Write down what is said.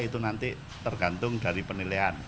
itu nanti tergantung dari penilaian